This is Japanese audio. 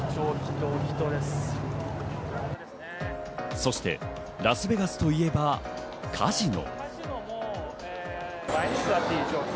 そしてラスベガスといえば、カジノ。